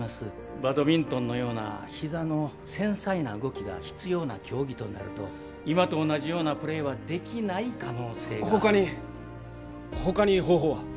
バドミントンのようなひざの繊細な動きが必要な競技となると今と同じようなプレーはできない可能性が他に他に方法は？